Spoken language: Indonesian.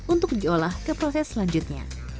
untuk diolah ke proses selanjutnya